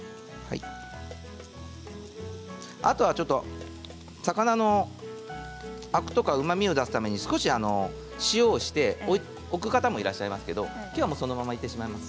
あとは魚のアクとかうまみを出すために少し塩をして置く方もいらっしゃいますけれどきょうはこのままいってしまいます。